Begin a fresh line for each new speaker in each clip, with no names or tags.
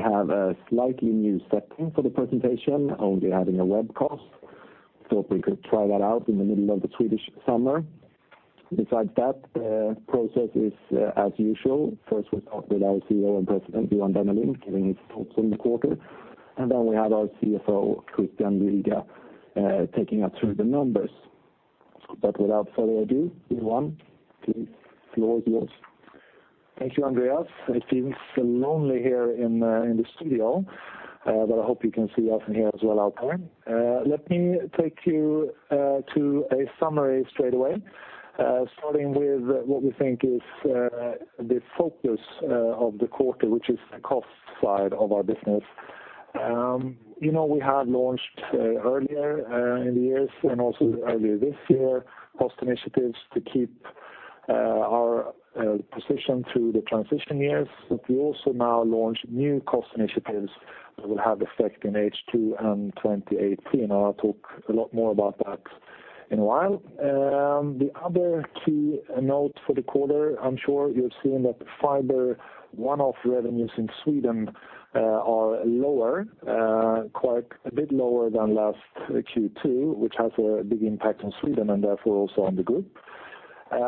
We have a slightly new setting for the presentation, only having a webcast. Thought we could try that out in the middle of the Swedish summer. Besides that, the process is as usual. First, we start with our CEO and President, Johan Dennelind, giving his thoughts on the quarter, then we have our CFO, Christian Luiga, taking us through the numbers. Without further ado, Johan, please, the floor is yours.
Thank you, Andreas. It feels lonely here in the studio, I hope you can see us and hear us well out there. Let me take you to a summary straight away. Starting with what we think is the focus of the quarter, which is the cost side of our business. We have launched earlier in the years and also earlier this year, cost initiatives to keep our position through the transition years. We also now launch new cost initiatives that will have effect in H2 and 2018. I'll talk a lot more about that in a while. The other key note for the quarter, I'm sure you've seen that the fiber one-off revenues in Sweden are a bit lower than last Q2, which has a big impact on Sweden and therefore also on the group. We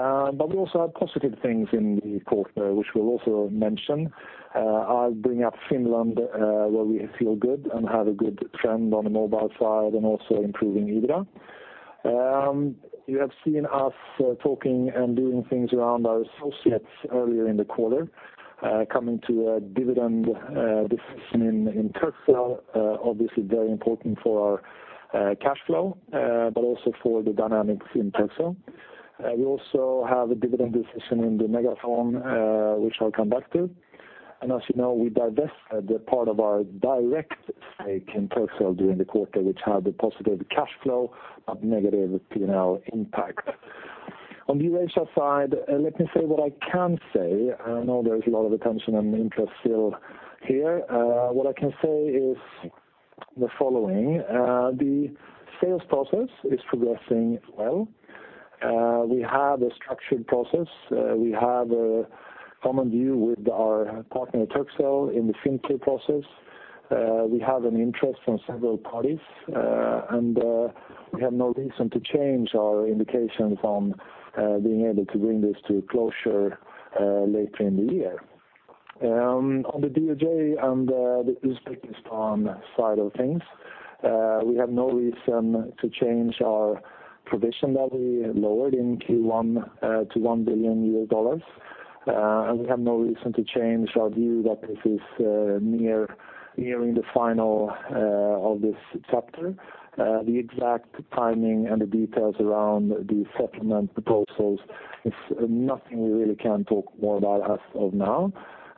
also have positive things in the quarter, which we'll also mention. I'll bring up Finland where we feel good and have a good trend on the mobile side and also improving EBITDA. You have seen us talking and doing things around our associates earlier in the quarter, coming to a dividend decision in Turkcell. Obviously very important for our cash flow, also for the dynamics in Turkcell. We also have a dividend decision in the MegaFon, which I'll come back to. As you know, we divested the part of our direct stake in Turkcell during the quarter, which had a positive cash flow, negative P&L impact. On the Asia side, let me say what I can say. I know there is a lot of attention and interest still here. What I can say is the following. The sales process is progressing well. We have a structured process. We have a common view with our partner, Turkcell, in the Fintur process. We have an interest from several parties, we have no reason to change our indications on being able to bring this to a closure later in the year. On the DOJ and the Uzbekistan side of things, we have no reason to change our provision that we lowered in Q1 to $1 billion. We have no reason to change our view that this is nearing the final of this chapter. The exact timing and the details around the settlement proposals is nothing we really can talk more about as of now,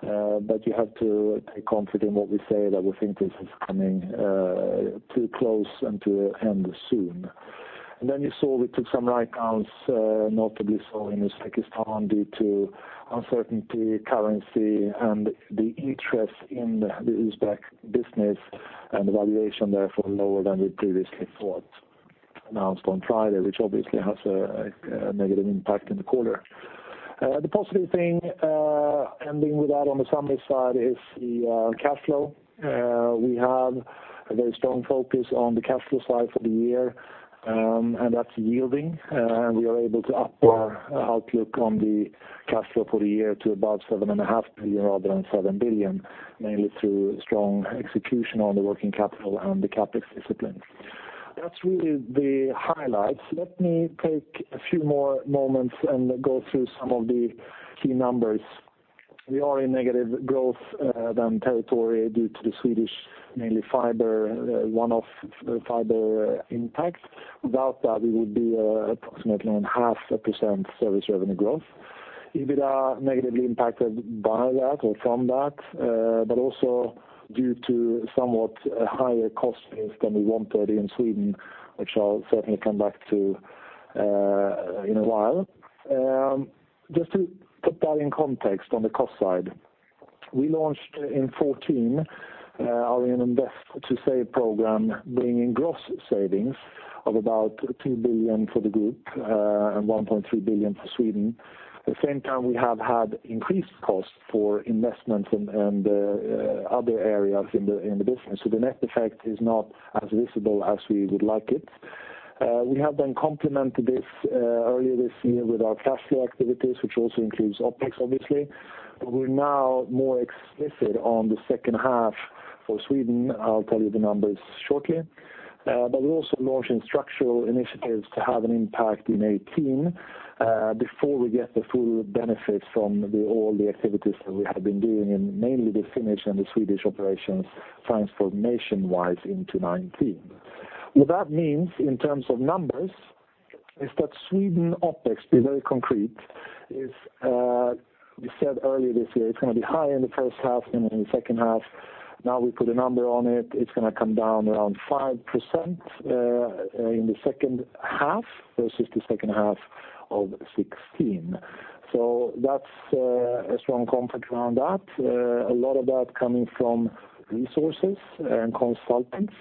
you have to take comfort in what we say, that we think this is coming to a close and to an end soon. You saw we took some write-downs, notably so in Uzbekistan due to uncertainty, currency, and the interest in the Uzbek business and the valuation therefore lower than we previously thought. Announced on Friday, which obviously has a negative impact in the quarter. The positive thing, ending with that on the summary side is the cash flow. We have a very strong focus on the cash flow side for the year, and that is yielding. We are able to up our outlook on the cash flow for the year to about 7.5 billion rather than 7 billion, mainly through strong execution on the working capital and the CapEx discipline. That is really the highlights. Let me take a few more moments and go through some of the key numbers. We are in negative growth territory due to the Swedish, mainly fiber, one-off fiber impacts. Without that, we would be approximately on 0.5% service revenue growth. EBITDA negatively impacted by that or from that, but also due to somewhat higher cost base than we wanted in Sweden, which I will certainly come back to in a while. Just to put that in context on the cost side. We launched in 2014, our Invest to Save program, bringing gross savings of about 2 billion for the group, and 1.3 billion for Sweden. At the same time, we have had increased costs for investments and other areas in the business. The net effect is not as visible as we would like it. We have complemented this earlier this year with our cash flow activities, which also includes OpEx, obviously. We are now more explicit on the second half for Sweden. I will tell you the numbers shortly. We are also launching structural initiatives to have an impact in 2018, before we get the full benefit from all the activities that we have been doing in mainly the Finnish and the Swedish operations transformation-wise into 2019. What that means in terms of numbers is that Sweden OpEx, to be very concrete, as we said earlier this year, it is going to be high in the first half and in the second half. Now we put a number on it. It is going to come down around 5% in the second half versus the second half of 2016. That is a strong comfort around that. A lot of that coming from resources and consultants.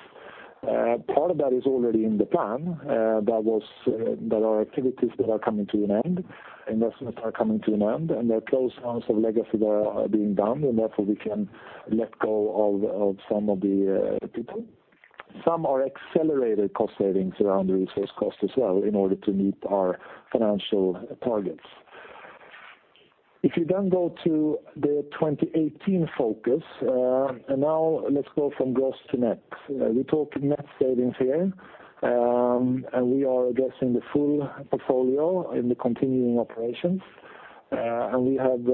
Part of that is already in the plan. There are activities that are coming to an end, investments are coming to an end, there are close ones of legacy that are being done, therefore we can let go of some of the people. Some are accelerated cost savings around the resource cost as well in order to meet our financial targets. If you go to the 2018 focus, now let us go from gross to net. We are talking net savings here, we are addressing the full portfolio in the continuing operations. We have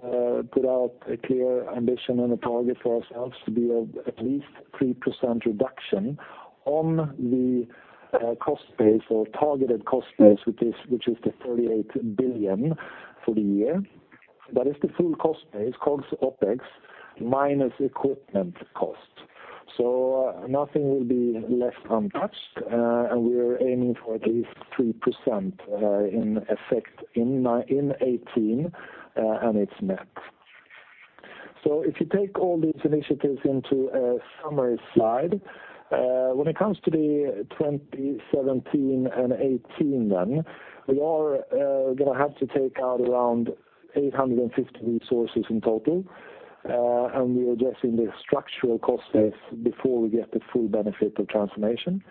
put out a clear ambition and a target for ourselves to be at least 3% reduction on the cost base or targeted cost base, which is the 38 billion for the year. That is the full cost base called OpEx, minus equipment cost. Nothing will be left untouched, we're aiming for at least 3% in effect in 2018, it's net. If you take all these initiatives into a summary slide, when it comes to the 2017 and 2018, we are going to have to take out around 850 resources in total, we are addressing the structural cost base before we get the full benefit of transformation.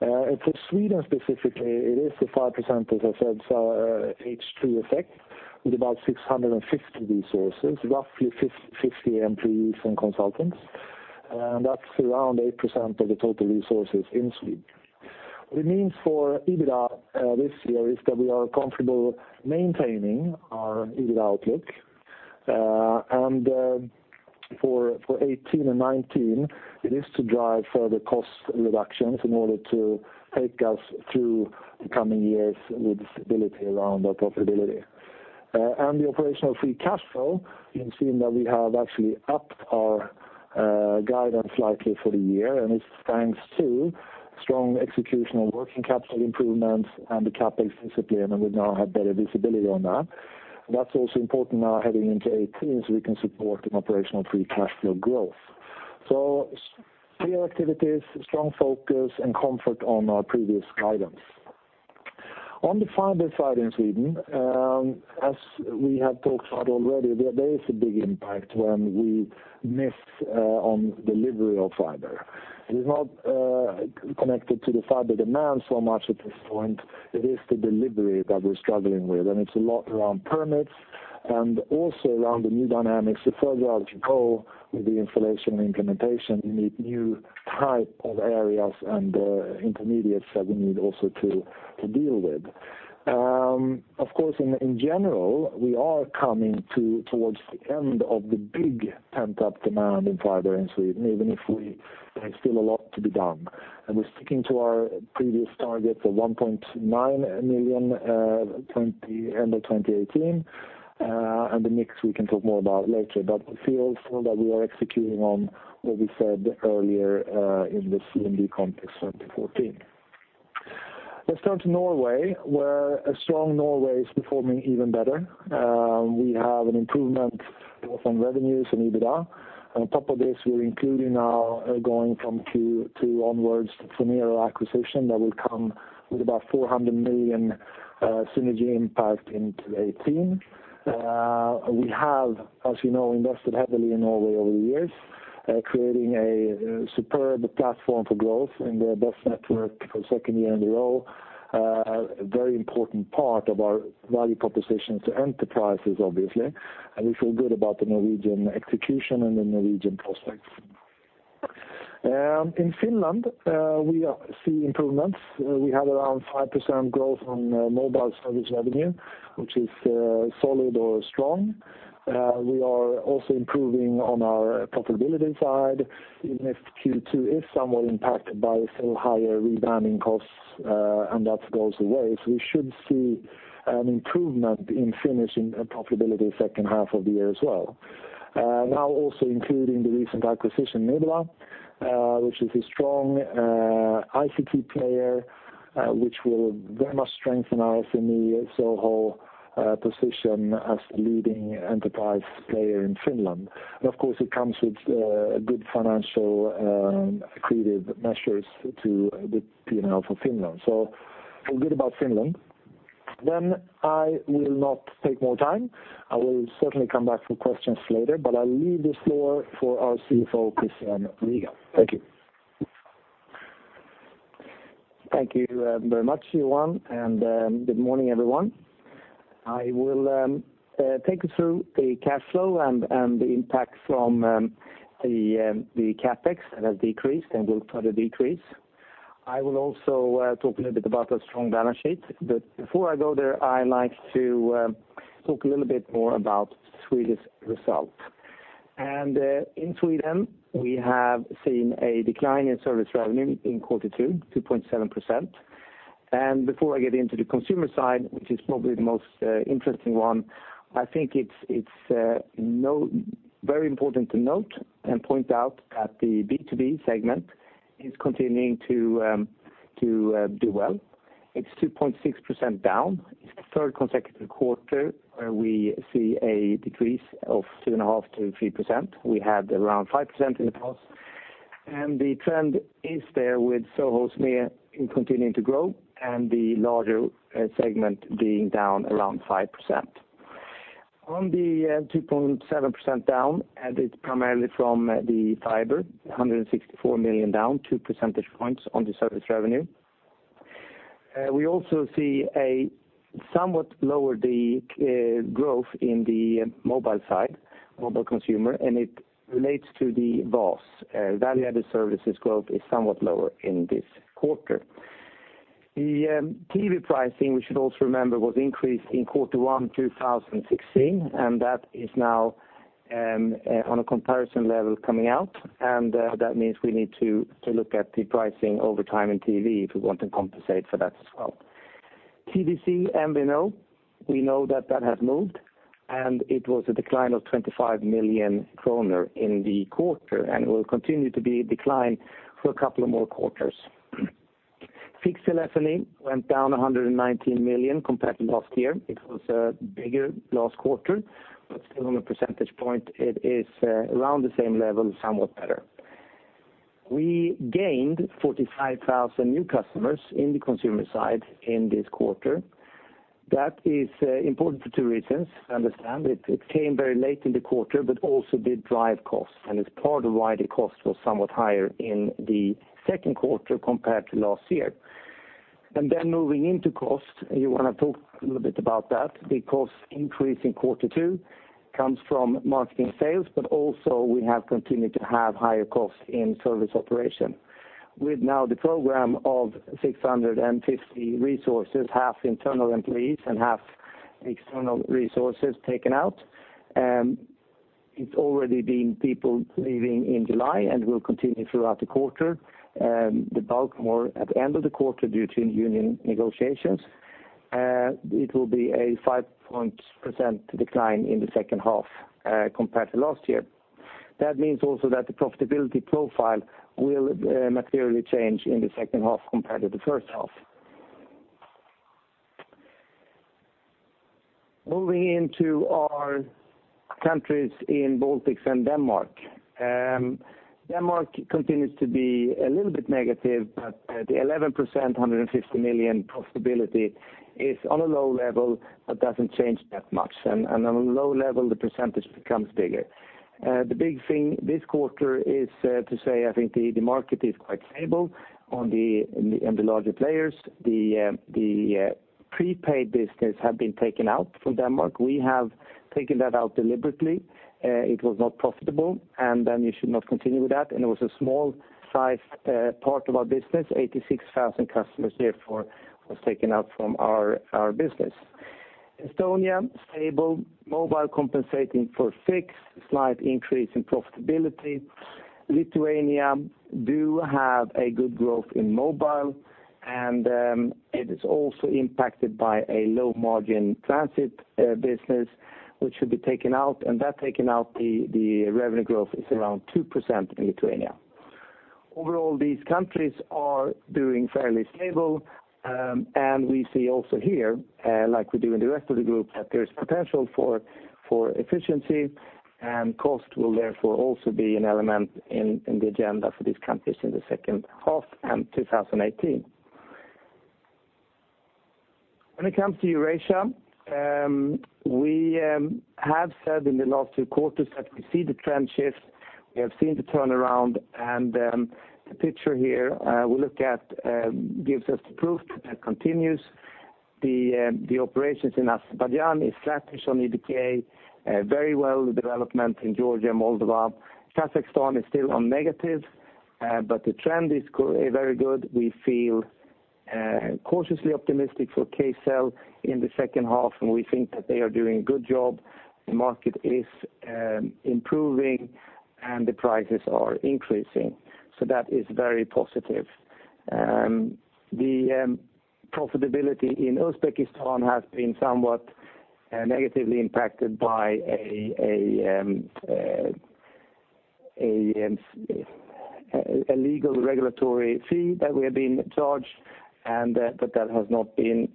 For Sweden specifically, it is the 5%, as I said, H2 effect with about 650 resources, roughly 50 employees and consultants. That's around 8% of the total resources in Sweden. What it means for EBITDA this year is that we are comfortable maintaining our EBITDA outlook. For 2018 and 2019, it is to drive further cost reductions in order to take us through the coming years with stability around our profitability. The operational free cash flow, you can see that we have actually upped our guidance slightly for the year, it's thanks to strong execution on working capital improvements and the CapEx discipline, we now have better visibility on that. That's also important now heading into 2018 so we can support an operational free cash flow growth. Clear activities, strong focus, and comfort on our previous guidance. On the fiber side in Sweden, as we have talked about already, there is a big impact when we miss on delivery of fiber. It is not connected to the fiber demand so much at this point, it is the delivery that we're struggling with, it's a lot around permits and also around the new dynamics. The further out you go with the installation and implementation, you meet new type of areas and intermediates that we need also to deal with. Of course, in general, we are coming towards the end of the big pent-up demand in fiber in Sweden, even if there is still a lot to be done. We're sticking to our previous target for 1.9 million end of 2018, the mix we can talk more about later. We feel that we are executing on what we said earlier in the CMD conference 2014. Let's turn to Norway, where a strong Norway is performing even better. We have an improvement both on revenues and EBITDA. On top of this, we're including now going from Q2 onwards, the Phonero acquisition that will come with about 400 million synergy impact into 2018. We have, as you know, invested heavily in Norway over the years, creating a superb platform for growth in the best network for second year in a row. A very important part of our value proposition to enterprises, obviously. We feel good about the Norwegian execution and the Norwegian prospects. In Finland, we are seeing improvements. We have around 5% growth on mobile service revenue, which is solid or strong. We are also improving on our profitability side, even if Q2 is somewhat impacted by some higher rebanding costs and that goes away. We should see an improvement in Finnish profitability second half of the year as well. Now also including the recent acquisition, Nebula, which is a strong ICT player which will very much strengthen our SOHO position as the leading enterprise player in Finland. Of course it comes with good financial accretive measures to the P&L for Finland. Feel good about Finland. I will not take more time. I will certainly come back for questions later, but I leave the floor for our CFO, Christian Luiga. Thank you.
Thank you very much, Johan, good morning, everyone. I will take you through the cash flow and the impact from the CapEx that has decreased and will further decrease. I will also talk a little bit about our strong balance sheet. Before I go there, I'd like to talk a little bit more about Sweden's results. In Sweden, we have seen a decline in service revenue in quarter two, 2.7%. Before I get into the consumer side, which is probably the most interesting one, I think it's very important to note and point out that the B2B segment is continuing to do well. It's 2.6% down. It's the third consecutive quarter where we see a decrease of 2.5%-3%. We had around 5% in the past, and the trend is there with SOHO SME continuing to grow and the larger segment being down around 5%. On the 2.7% down, it's primarily from the fiber, 164 million down two percentage points on the service revenue. We also see a somewhat lower growth in the mobile side, mobile consumer, it relates to the VAS. Value-added services growth is somewhat lower in this quarter. The TV pricing, we should also remember, was increased in Q1 2016, that is now on a comparison level coming out, that means we need to look at the pricing over time in TV if we want to compensate for that as well. TDC, we know that has moved, it was a decline of 25 million kronor in the quarter and it will continue to be declined for a couple of more quarters. Fix LFL went down 119 million compared to last year. It was bigger last quarter, still on a percentage point, it is around the same level, somewhat better. We gained 45,000 new customers in the consumer side in this quarter. That is important for two reasons. I understand it came very late in the quarter, also did drive costs, it's part of why the cost was somewhat higher in the second quarter compared to last year. Moving into cost, you want to talk a little bit about that. The cost increase in quarter two comes from marketing sales, also we have continued to have higher costs in service operation. With now the program of 650 resources, half internal employees and half external resources taken out, it's already been people leaving in July and will continue throughout the quarter, the bulk more at the end of the quarter due to union negotiations. It will be a 5% decline in the second half compared to last year. That means also that the profitability profile will materially change in the second half compared to the first half. Moving into our countries in Baltics and Denmark. Denmark continues to be a little bit negative, but the 11%, 150 million profitability is on a low level, but doesn't change that much. On a low level, the percentage becomes bigger. The big thing this quarter is to say, I think the market is quite stable on the larger players. The prepaid business have been taken out from Denmark. We have taken that out deliberately. It was not profitable, and then you should not continue with that, and it was a small size part of our business. 86,000 customers therefore was taken out from our business. Estonia, stable. Mobile compensating for fixed. Slight increase in profitability. Lithuania do have a good growth in mobile, and it is also impacted by a low-margin transit business which should be taken out, and that taken out, the revenue growth is around 2% in Lithuania. Overall, these countries are doing fairly stable, and we see also here, like we do in the rest of the group, that there's potential for efficiency, and cost will therefore also be an element in the agenda for these countries in the second half and 2018. When it comes to Eurasia, we have said in the last two quarters that we see the trend shift. We have seen the turnaround, and the picture here we look at gives us the proof that continues. The operations in Azerbaijan is flattish on EBITDA. Very well, the development in Georgia, Moldova. Kazakhstan is still on negative, but the trend is very good. We feel cautiously optimistic for Kcell in the second half, and we think that they are doing a good job. The market is improving, and the prices are increasing. That is very positive. The profitability in Uzbekistan has been somewhat negatively impacted by a legal regulatory fee that we have been charged, but that has not been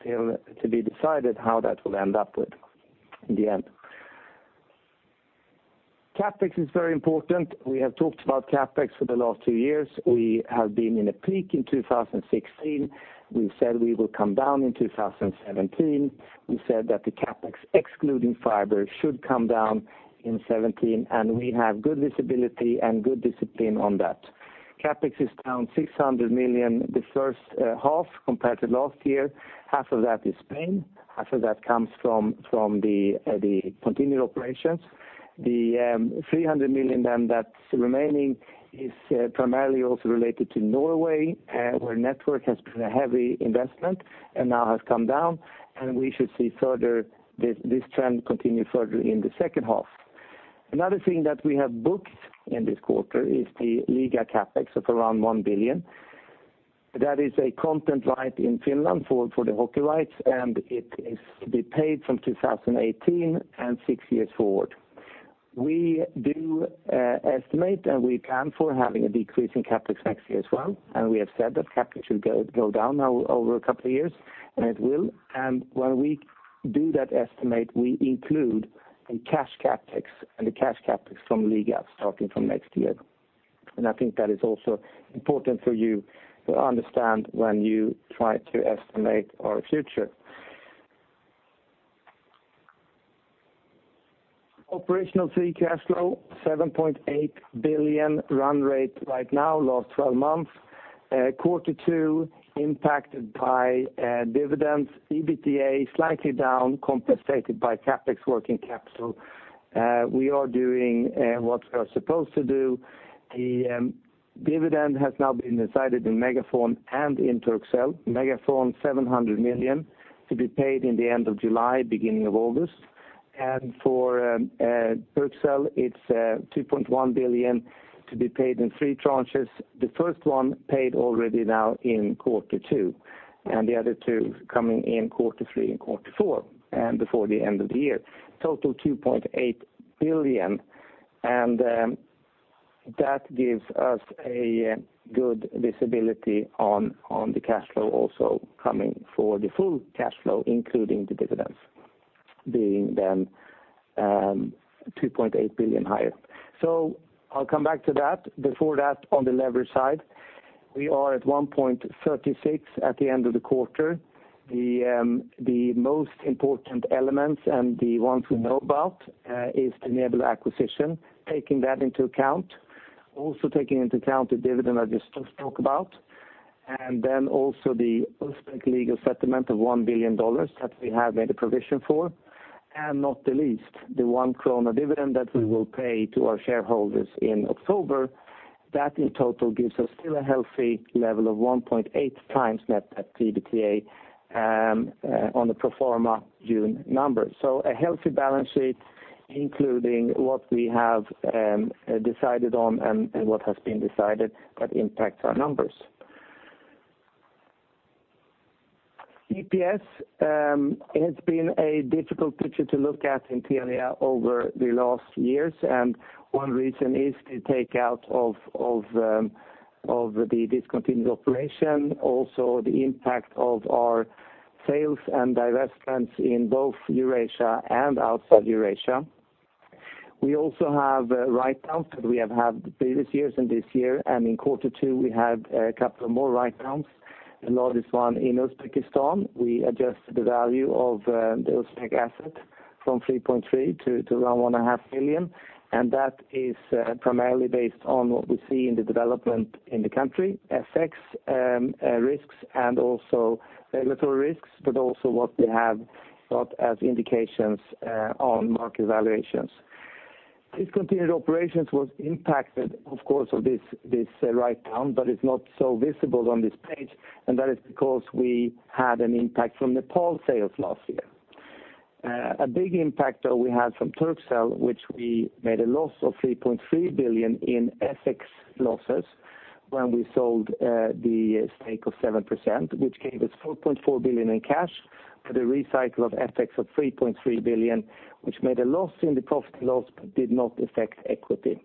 still to be decided how that will end up with in the end. CapEx is very important. We have talked about CapEx for the last two years. We have been in a peak in 2016. We've said we will come down in 2017. We said that the CapEx, excluding fiber, should come down in 2017, and we have good visibility and good discipline on that. CapEx is down 600 million the first half compared to last year. Half of that is Spain. Half of that comes from the continued operations. The 300 million then that's remaining is primarily also related to Norway, where network has been a heavy investment and now has come down, and we should see this trend continue further in the second half. Another thing that we have booked in this quarter is the Liiga CapEx of around 1 billion. That is a content right in Finland for the hockey rights, and it is to be paid from 2018 and six years forward. We do estimate and we plan for having a decrease in CapEx next year as well. We have said that CapEx should go down now over a couple of years, and it will. When we do that estimate, we include the cash CapEx, and the cash CapEx from Liiga starting from next year. I think that is also important for you to understand when you try to estimate our future. Operational free cash flow, 7.8 billion run rate right now, last 12 months. Quarter two impacted by dividends. EBITDA slightly down, compensated by CapEx working capital. We are doing what we are supposed to do. The dividend has now been decided in MegaFon and in Turkcell. MegaFon, 700 million to be paid in the end of July, beginning of August. For Turkcell, it's 2.1 billion to be paid in three tranches. The first one paid already now in quarter two, and the other two coming in quarter three and quarter four, and before the end of the year. Total 2.8 billion. That gives us a good visibility on the cash flow also coming for the full cash flow, including the dividends, being then 2.8 billion higher. I'll come back to that. Before that, on the leverage side, we are at 1.36 at the end of the quarter. The most important elements and the ones we know about is the Nebu acquisition. Taking that into account, also taking into account the dividend I just spoke about, also the Uzbek legal settlement of $1 billion that we have made a provision for, and not the least, the 1 krona dividend that we will pay to our shareholders in October. That in total gives us still a healthy level of 1.8 times net debt to EBITDA on the pro forma June number. A healthy balance sheet, including what we have decided on and what has been decided that impacts our numbers. EPS has been a difficult picture to look at in Telia over the last years, one reason is the takeout of the discontinued operation, also the impact of our sales and divestments in both Eurasia and outside Eurasia. We also have write-downs that we have had the previous years and this year, and in quarter two, we had a couple of more write-downs, the largest one in Uzbekistan. We adjusted the value of the Uzbek asset from 3.3 billion to around 1.5 billion. That is primarily based on what we see in the development in the country, FX risks, also regulatory risks, also what we have got as indications on market valuations. Discontinued operations was impacted, of course, of this write-down, but it's not so visible on this page, that is because we had an impact from Nepal sales last year. A big impact, though, we had from Turkcell, which we made a loss of 3.3 billion in FX losses when we sold the stake of 7%, which gave us 4.4 billion in cash with a recycle of FX of 3.3 billion, which made a loss in the profit loss but did not affect equity.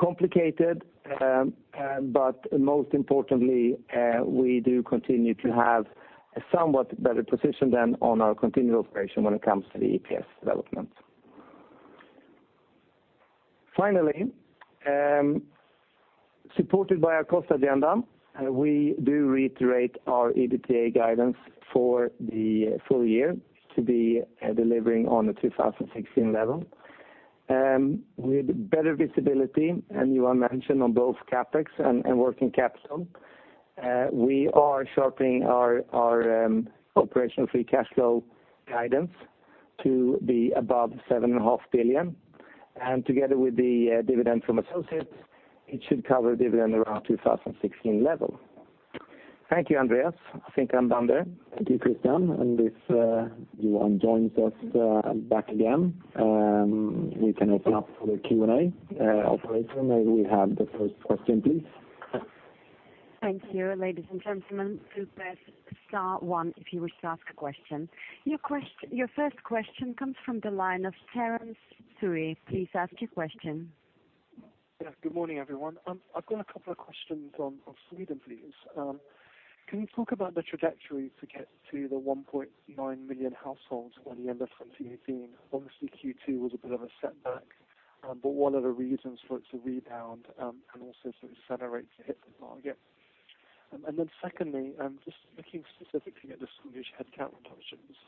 Complicated, but most importantly, we do continue to have a somewhat better position than on our continued operation when it comes to the EPS development. Finally, supported by our cost agenda, we do reiterate our EBITDA guidance for the full year to be delivering on the 2016 level. With better visibility, Johan mentioned on both CapEx and working capital, we are sharpening our operational free cash flow guidance to be above 7.5 billion. Together with the dividend from associates, it should cover dividend around 2016 level. Thank you, Andreas. I think I'm done there.
Thank you, Christian. If Johan joins us back again, we can open up for the Q&A. Operator, may we have the first question, please?
Thank you. Ladies and gentlemen, please press star one if you wish to ask a question. Your first question comes from the line of Terence Tsui. Please ask your question.
Yeah. Good morning, everyone. I've got a couple of questions on Sweden, please. Can you talk about the trajectory to get to the 1.9 million households by the end of 2018? Obviously, Q2 was a bit of a setback, but what are the reasons for it to rebound, and also to accelerate to hit the target? Secondly, just looking specifically at the Swedish headcount reductions,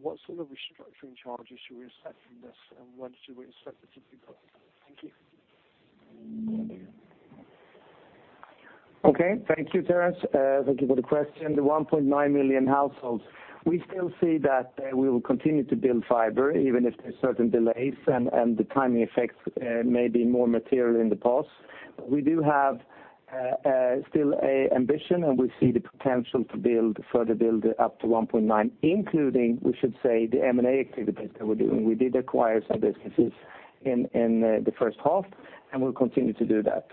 what sort of restructuring charges should we expect from this, and when should we expect it to be booked? Thank you.
Okay. Thank you, Terence. Thank you for the question. The 1.9 million households, we still see that we will continue to build fiber, even if there's certain delays and the timing effects may be more material in the past. We do have still a ambition, and we see the potential to further build up to 1.9, including, we should say, the M&A activities that we're doing. We did acquire some businesses in the first half, and we'll continue to do that.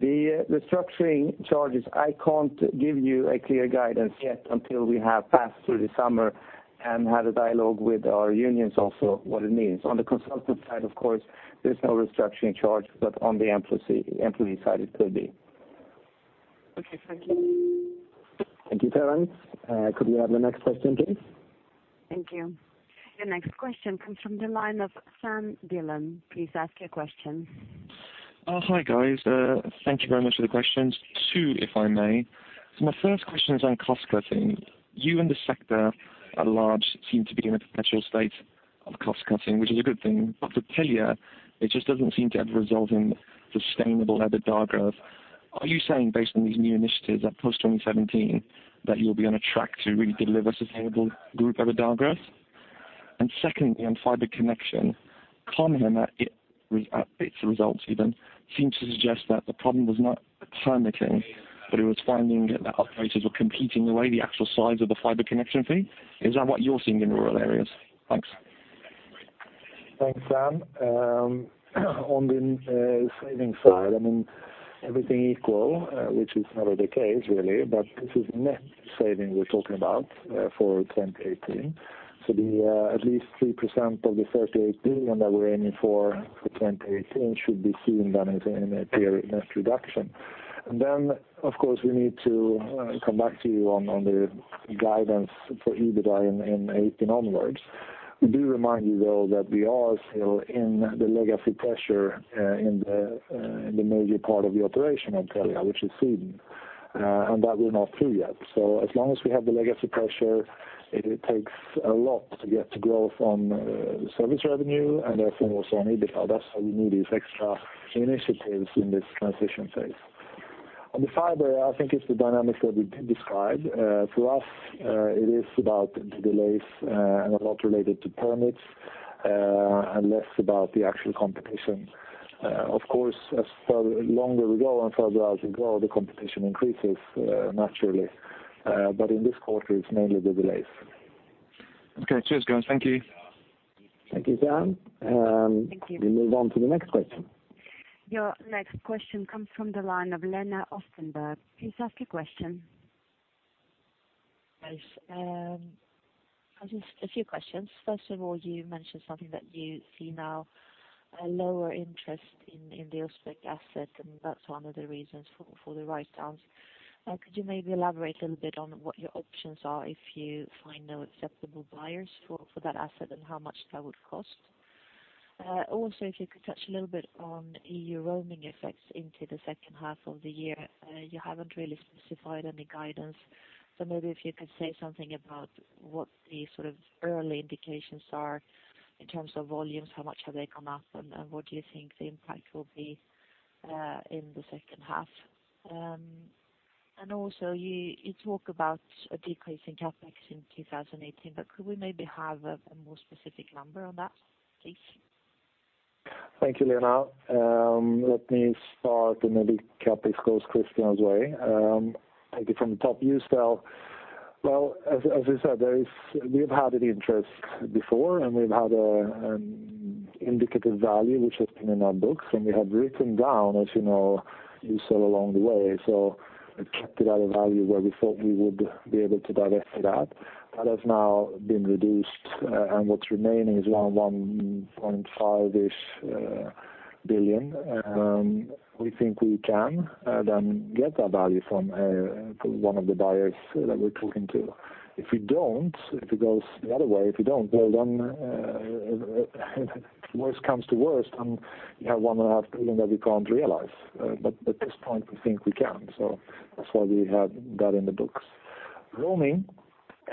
The restructuring charges, I can't give you a clear guidance yet until we have passed through the summer and had a dialogue with our unions also, what it means. On the consultant side, of course, there's no restructuring charge, but on the employee side, it could be.
Okay. Thank you.
Thank you, Terence. Could we have the next question, please?
Thank you. The next question comes from the line of Sami Sarkamies. Please ask your question.
Hi, guys. Thank you very much for the questions. Two, if I may. My first question is on cost-cutting. You and the sector at large seem to be in a perpetual state of cost-cutting, which is a good thing. For Telia, it just doesn't seem to ever result in sustainable EBITDA growth. Are you saying, based on these new initiatives that post 2017, that you'll be on a track to really deliver sustainable group EBITDA growth? Secondly, on fiber connection, Com Hem at its results even seem to suggest that the problem was not permitting, but it was finding that operators were competing away the actual size of the fiber connection fee. Is that what you're seeing in rural areas? Thanks.
Thanks, Sam. On the savings side, everything equal, which is never the case, really, this is net saving we're talking about for 2018. At least 3% of the 38 billion that we're aiming for 2018 should be seen then as in a period net reduction. Of course, we need to come back to you on the guidance for EBITDA in 2018 onwards. We do remind you, though, that we are still in the legacy pressure in the major part of the operation of Telia, which is Sweden, and that we're not through yet. As long as we have the legacy pressure, it takes a lot to get growth on service revenue and therefore also on EBITDA. That's why we need these extra initiatives in this transition phase. On the fiber, I think it's the dynamics that we did describe. To us, it is about the delays and a lot related to permits, and less about the actual competition. Of course, as longer we go on fiber rollout, the competition increases naturally. In this quarter, it's mainly the delays.
Okay. Cheers, guys. Thank you.
Thank you, Sam.
Thank you.
We move on to the next question.
Your next question comes from the line of Lena Österberg. Please ask your question.
Just a few questions. First of all, you mentioned something that you see now a lower interest in the Ucell asset, and that's one of the reasons for the write-downs. Could you maybe elaborate a little bit on what your options are if you find no acceptable buyers for that asset, and how much that would cost? Also, if you could touch a little bit on EU roaming effects into the second half of the year. You haven't really specified any guidance. Maybe if you could say something about what the early indications are in terms of volumes, how much have they come up, and what do you think the impact will be in the second half? Also, you talk about a decrease in CapEx in 2018, but could we maybe have a more specific number on that, please?
Thank you, Lena. Let me start and maybe CapEx goes Christian's way. Maybe from the top, Ucell. Well, as I said, we've had an interest before, and we've had an indicative value which has been in our books, and we have written down, as you know, Ucell along the way. It kept it at a value where we thought we would be able to divest that. That has now been reduced, and what's remaining is around 1.5-ish billion. We think we can then get that value from one of the buyers that we're talking to. If we don't, if it goes the other way, if we don't, well, then worst comes to worst, and we have 1.5 billion that we can't realize. At this point, we think we can, that's why we have that in the books. Roaming,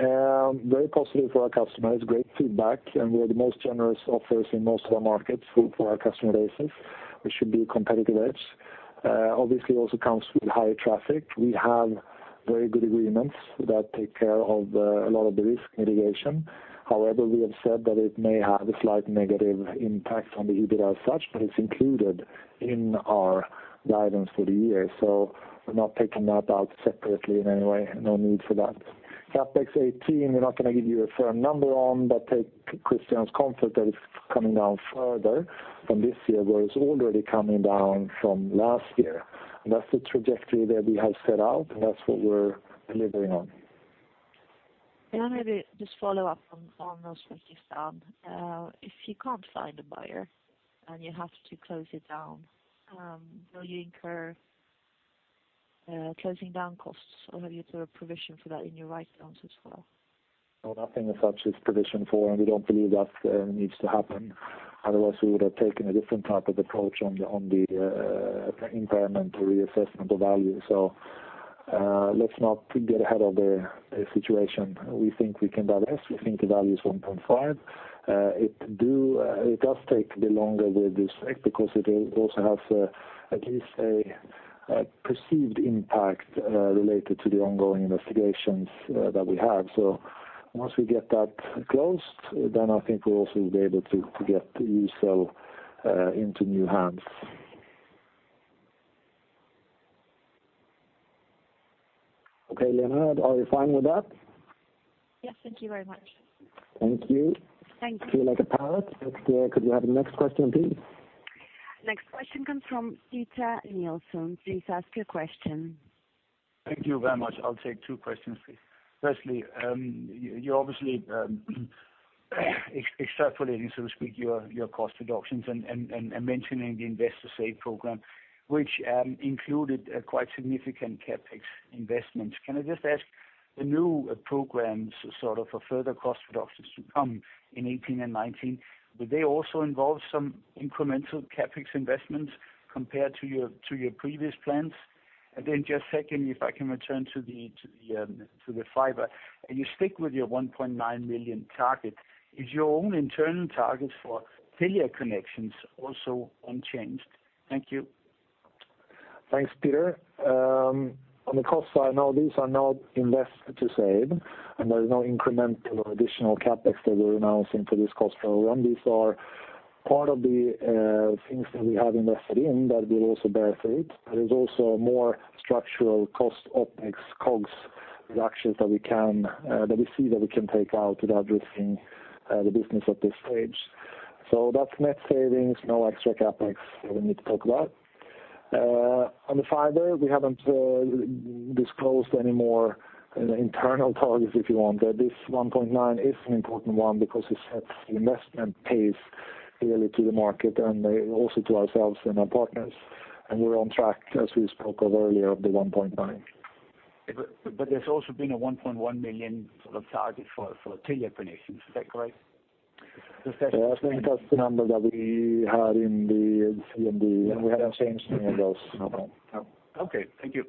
very positive for our customers, great feedback, and we are the most generous offers in most of our markets for our customer bases, which should be a competitive edge. Obviously, also comes with higher traffic. We have very good agreements that take care of a lot of the risk mitigation. However, we have said that it may have a slight negative impact on the EBITDA as such, but it's included in our guidance for the year. We're not taking that out separately in any way. No need for that. CapEx 2018, we're not going to give you a firm number on, but take Christian's comfort that it's coming down further from this year, where it's already coming down from last year. That's the trajectory that we have set out, and that's what we're delivering on.
Can I maybe just follow up on Uzbekistan. If you can't find a buyer and you have to close it down, will you incur closing down costs, or have you sort of provisioned for that in your write-downs as well?
No, nothing as such is provisioned for, and we don't believe that needs to happen. Otherwise, we would have taken a different type of approach on the impairment reassessment of value. Let's not get ahead of the situation. We think we can divest. We think the value is 1.5. It does take a bit longer with Uzbek because it also has at least a perceived impact related to the ongoing investigations that we have. Once we get that closed, then I think we'll also be able to get Ucell into new hands. Okay, Lena, are you fine with that?
Yes. Thank you very much.
Thank you.
Thank you.
I feel like a parrot, could we have the next question, please?
Next question comes from Peter Nielsen. Please ask your question.
Thank you very much. I'll take two questions, please. Firstly, you're obviously extrapolating, so to speak, your cost reductions and mentioning the Invest to Save Program, which included quite significant CapEx investments. Can I just ask the new programs for further cost reductions to come in 2018 and 2019, will they also involve some incremental CapEx investments compared to your previous plans? Just secondly, if I can return to the fiber, you stick with your 1.9 million target, is your own internal targets for Telia connections also unchanged? Thank you.
Thanks, Peter. On the cost side, no, these are not Invest to Save, there is no incremental or additional CapEx that we're announcing for this cost program. These are part of the things that we have invested in that will also bear fruit, it's also a more structural cost OpEx COGS reductions that we see that we can take out without risking the business at this stage. That's net savings, no extra CapEx that we need to talk about. On the fiber, we haven't disclosed any more internal targets, if you want. This 1.9 is an important one because it sets the investment pace clearly to the market and also to ourselves and our partners, and we're on track, as we spoke of earlier, of the 1.9.
There's also been a 1.1 million target for Telia connections, is that correct?
Yeah, I think that's the number that we had in the C and the-- We haven't changed any of those, no.
Okay. Thank you.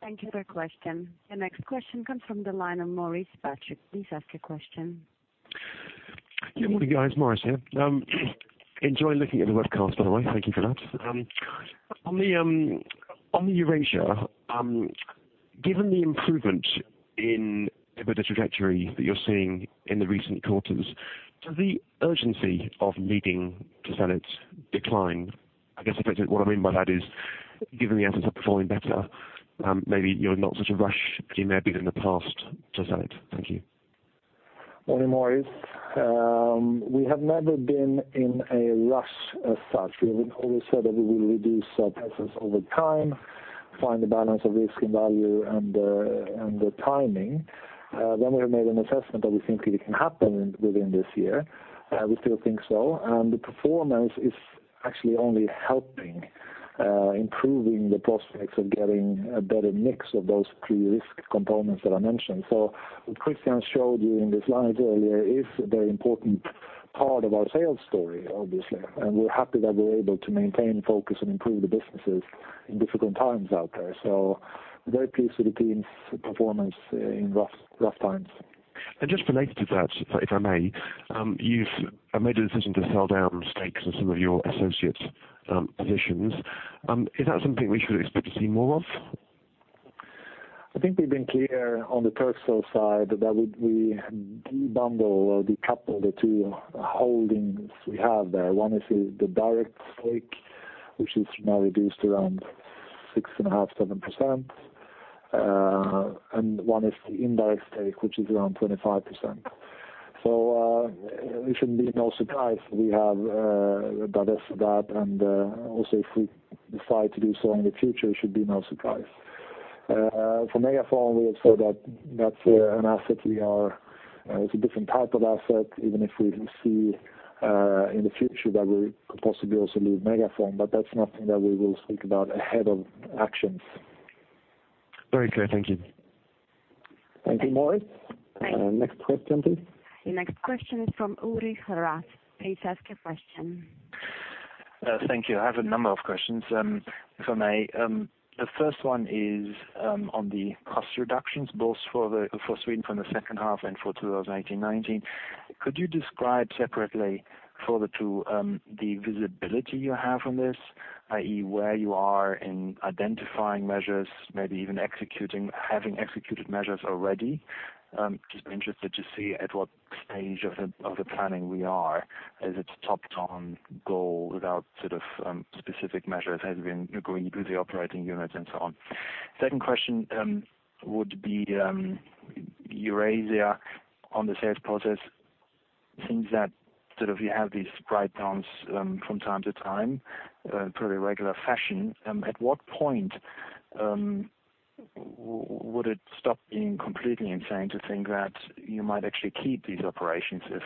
Thank you for your question. The next question comes from the line of Maurice Patrick. Please ask your question.
Good morning, guys, Maurice here. Enjoying looking at the webcast, by the way. Thank you for that. On the Eurasia, given the improvement in EBITDA trajectory that you're seeing in the recent quarters, does the urgency of needing to sell it decline? I guess what I mean by that is, given the assets are performing better, maybe you're not in such a rush than you may have been in the past to sell it. Thank you.
Morning, Maurice. We have never been in a rush as such. We always said that we will reduce our assets over time, find the balance of risk and value, and the timing. We have made an assessment that we think it can happen within this year. We still think so, and the performance is actually only helping, improving the prospects of getting a better mix of those three risk components that I mentioned. What Christian showed you in the slides earlier is a very important part of our sales story, obviously, and we're happy that we're able to maintain focus and improve the businesses in difficult times out there. Very pleased with the team's performance in rough times.
Just related to that, if I may, you've made a decision to sell down stakes in some of your associates' positions. Is that something we should expect to see more of?
I think we've been clear on the Turkcell side that we de-bundle or decouple the two holdings we have there. One is the direct stake, which is now reduced around 6.5%, 7%, and one is the indirect stake, which is around 25%. It should be no surprise we have done that, and also if we decide to do so in the future, it should be no surprise. For MegaFon, we have said that's a different type of asset, even if we see in the future that we could possibly also leave MegaFon, that's nothing that we will speak about ahead of actions.
Very clear. Thank you.
Thank you, Maurice. Next question, please.
The next question is from Ulrich Rathe. Please ask your question.
Thank you. I have a number of questions, if I may. The first one is on the cost reductions, both for Sweden from the second half and for 2019. Could you describe separately for the two, the visibility you have on this, i.e., where you are in identifying measures, maybe even having executed measures already? Just interested to see at what stage of the planning we are as its top-down goal without specific measures has been going through the operating units and so on. Second question would be Eurasia on the sales process. Since that you have these write downs from time to time in pretty regular fashion, at what point would it stop being completely insane to think that you might actually keep these operations if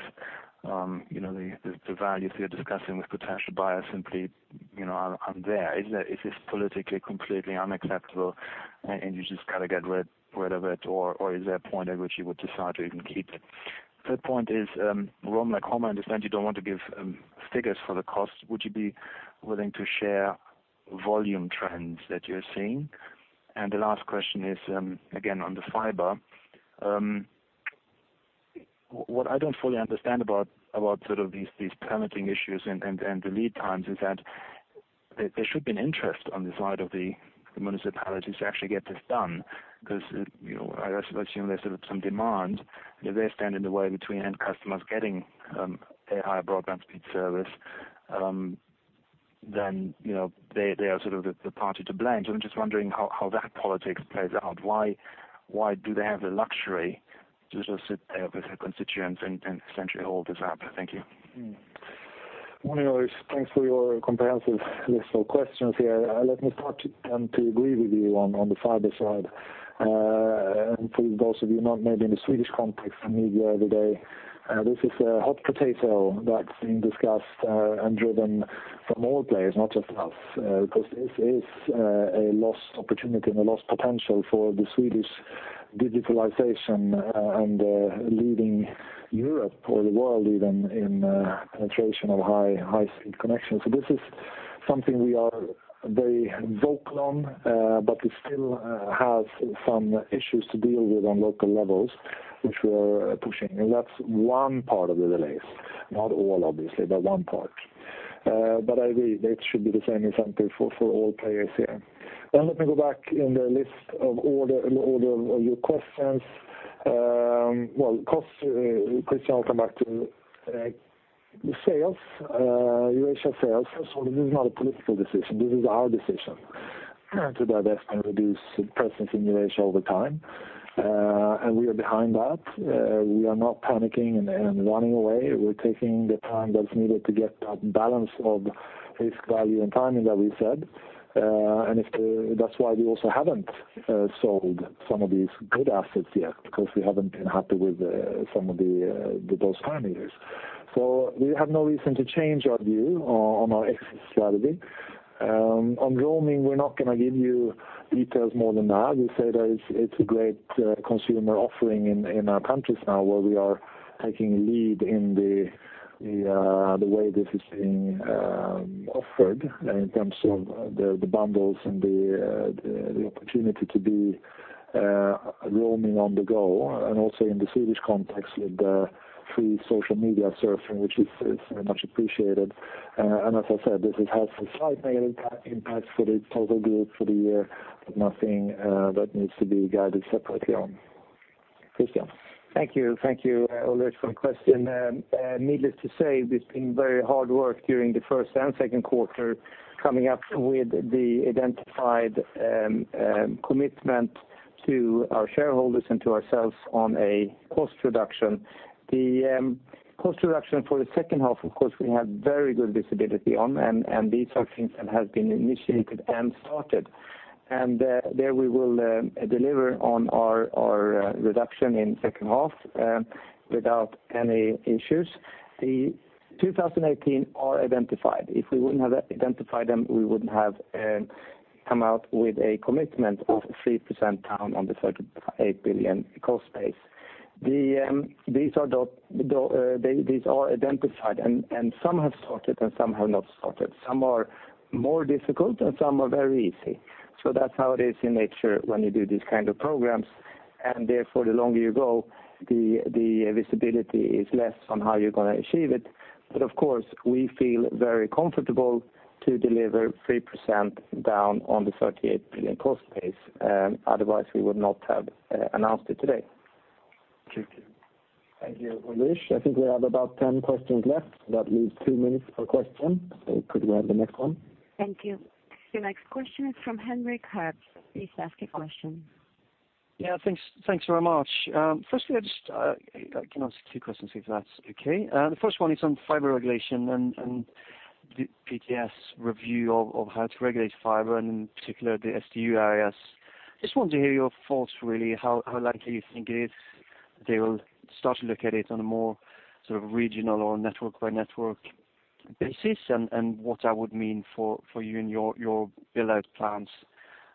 the values you're discussing with potential buyers simply aren't there? Is this politically completely unacceptable and you just got to get rid of it, or is there a point at which you would decide to even keep it? Third point is, [inaudible] I understand you don't want to give figures for the cost. Would you be willing to share volume trends that you're seeing? The last question is, again, on the fiber. What I don't fully understand about these permitting issues and the lead times is that there should be an interest on the side of the municipalities to actually get this done. I assume there's some demand. They stand in the way between end customers getting a higher broadband speed service. They are the party to blame. I'm just wondering how that politics plays out. Why do they have the luxury to just sit there with their constituents and essentially hold this up? Thank you.
Good morning, Urich. Thanks for your comprehensive list of questions here. Let me start to agree with you on the fiber side. For those of you not maybe in the Swedish context, for me the other day, this is a hot potato that's being discussed and driven from all players, not just us, because this is a lost opportunity and a lost potential for the Swedish digitalization and leading Europe or the world even in penetration of high-speed connections. This is something we are very vocal on, but we still have some issues to deal with on local levels, which we are pushing. That's one part of the delays. Not all, obviously, but one part. I agree, it should be the same example for all players here. Let me go back in the list of order of your questions. Well, Christian, I'll come back to the sales, Eurasia sales. This is not a political decision. This is our decision to divest and reduce presence in Eurasia over time. We are behind that. We are not panicking and running away. We're taking the time that's needed to get that balance of risk, value, and timing that we said. That's why we also haven't sold some of these good assets yet, because we haven't been happy with those timings. We have no reason to change our view on our exit strategy. On roaming, we're not going to give you details more than that. We say that it's a great consumer offering in our countries now, where we are taking lead in the way this is being offered in terms of the bundles and the opportunity to be roaming on the go, and also in the Swedish context with the free social media surfing, which is very much appreciated. As I said, this has had some slight negative impacts for the total group for the year, but nothing that needs to be guided separately on. Christian.
Thank you. Thank you, Ulrich, for the question. Needless to say, it's been very hard work during the first and second quarter coming up with the identified commitment to our shareholders and to ourselves on a cost reduction. The cost reduction for the second half, of course, we have very good visibility on, these are things that have been initiated and started. There we will deliver on our reduction in second half without any issues. The 2018 are identified. If we wouldn't have identified them, we wouldn't have come out with a commitment of 3% down on the 38 billion cost base. These are identified, some have started, some have not started. Some are more difficult, some are very easy. That's how it is in nature when you do these kinds of programs, therefore, the longer you go, the visibility is less on how you're going to achieve it. Of course, we feel very comfortable to deliver 3% down on the 38 billion cost base. Otherwise, we would not have announced it today.
Thank you.
Thank you, Ulrich. I think we have about 10 questions left. That leaves two minutes per question. You could go on the next one.
Thank you. The next question is from Henrik Herbst. Please ask your question.
Yeah, thanks very much. Firstly, I can ask two questions if that's okay. The first one is on fiber regulation and the PTS review of how to regulate fiber, and in particular, the SDU areas. Just wanted to hear your thoughts, really, how likely you think it is they will start to look at it on a more regional or network by network basis, and what that would mean for you and your build-out plans.